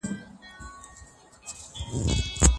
آیا تاسو په ژمي کې د وچو مېوو خوړل خوښوئ؟